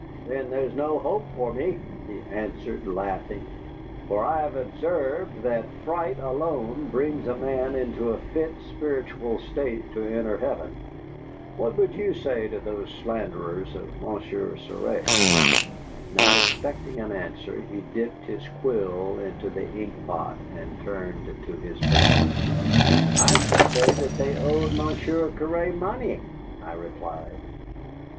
"Then there's no hope for me," he answered, laughing, "for I have observed that fright alone brings a man into a fit spiritual state to enter heaven. What would you say of those slanderers of Monsieur Cerre?" Not expecting an answer, he dipped his quill into the ink pot and turned to his papers. "I should say that they owed Monsieur Cerre money," I replied.